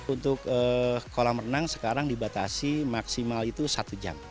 untuk kolam renang sekarang dibatasi maksimal itu satu jam